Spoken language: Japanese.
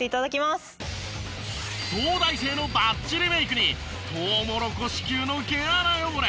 東大生のバッチリメイクにトウモロコシ級の毛穴汚れ。